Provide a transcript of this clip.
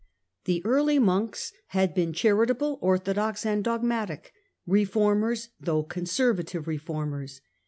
The early monks had been charitable, orthodox, and dogmatic : reformers, though Conservative reformers.